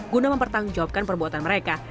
guna mempertanggungjawabkan perbuatan mereka